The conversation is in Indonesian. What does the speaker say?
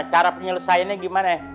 cara penyelesaiannya gimana